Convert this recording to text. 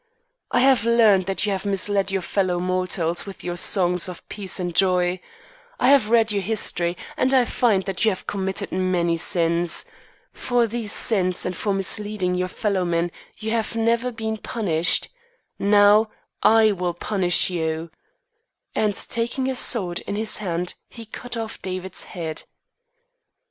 I have learned that you have misled your fellow mortals with your songs of peace and joy. I have read your history, and I find that you have committed many sins. For these sins and for misleading your fellowmen you have never been punished. Now I will punish you," and taking his sword in his hand he cut off David's head.